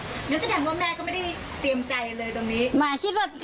หรือจะแทนว่าแม่ก็ไม่ได้เตรียมใจเลยตรงนี้